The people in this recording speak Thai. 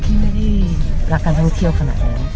ที่ไม่ได้รักการท่องเที่ยวขนาดนั้น